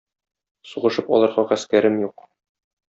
Сугышып алырга гаскәрем юк.